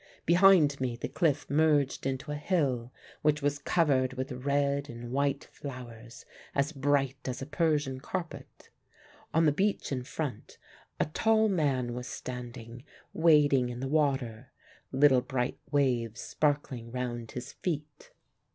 Behind me the cliff merged into a hill which was covered with red and white flowers, as bright as a Persian carpet. On the beach in front, a tall man was standing, wading in the water, little bright waves sparkling round his feet.